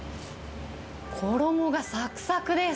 衣がさくさくです。